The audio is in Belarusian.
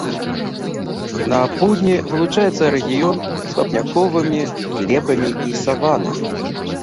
На поўдні вылучаецца рэгіён з вапняковымі глебамі і саваннамі.